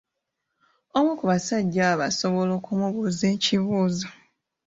Omu ku basajja abo asobola okumubuuza ekibuuzo.